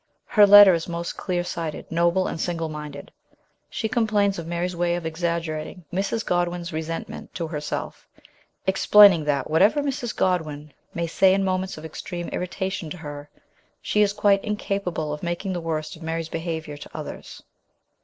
Her letter is most clear sighted, noble, and single minded ; she complains of Mary's way of exaggerating Mrs. Godwin's resentment to herself, explaining that whatever Mrs. Godwin may say in moments of extreme irritation to her, she is quite incapable of making the 8 114 MRS. SHELLEY. worst of Mary's behaviour to others.